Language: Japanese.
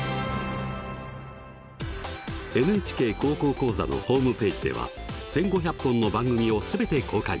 「ＮＨＫ高校講座」のホームページでは１，５００本の番組を全て公開。